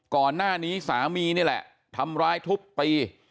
ก่อนหน้านี้สามีนี่แหละทำร้ายทุบตี